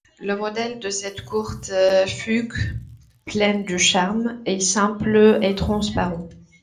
Le modèle de cette courte fugue pleine de charme, est simple et transparent.